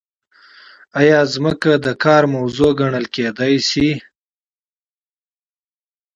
ایا ځمکه د کار موضوع ګڼل کیدای شي؟